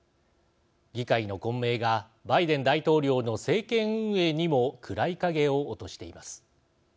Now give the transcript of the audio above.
議会の混迷がバイデン大統領の政権運営にも暗い影を落としています。